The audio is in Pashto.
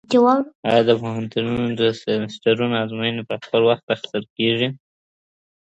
آیا د پوهنتونونو د سمسټرونو ازموینې په خپل وخت اخیستل کیږي؟